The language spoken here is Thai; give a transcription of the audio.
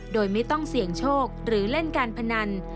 โดยไม่ต้องเสี่ยงโชคหรือเล่นการพนัน